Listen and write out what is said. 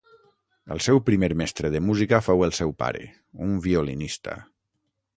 El seu primer mestre de música fou el seu pare, un violinista.